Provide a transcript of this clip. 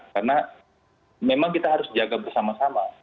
karena memang kita harus jaga bersama sama